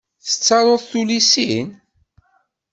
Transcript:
Tettaruḍ tullisin?